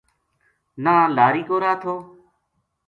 نہ لاری کو راہ تھو